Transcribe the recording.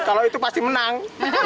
kalau itu pasti menang